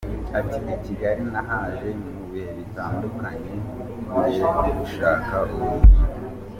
Ati “I Kigali nahaje mu bihe bitandukanye nje gushaka ubuzima.